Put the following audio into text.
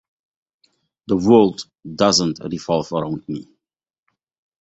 The world doesn't revolve around me.